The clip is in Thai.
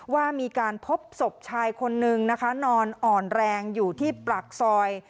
ว่ามีการพบศพชายคนนึงนะคะนอนอ่อนแรงอยู่ที่ปากซอย